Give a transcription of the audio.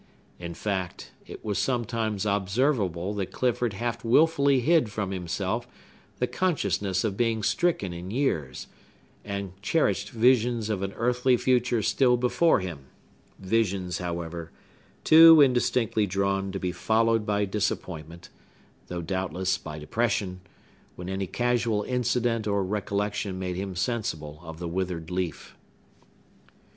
In fact, it was sometimes observable that Clifford half wilfully hid from himself the consciousness of being stricken in years, and cherished visions of an earthly future still before him; visions, however, too indistinctly drawn to be followed by disappointment—though, doubtless, by depression—when any casual incident or recollection made him sensible of the withered leaf.